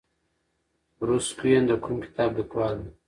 بروس کوئن د کوم کتاب لیکوال دی؟